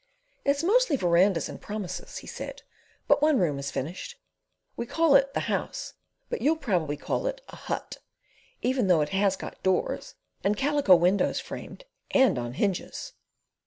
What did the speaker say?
"It's mostly verandahs and promises," he said; "but one room is finished. We call it The House, but you'll probably call it a Hut, even though it has got doors and calico windows framed and on hinges."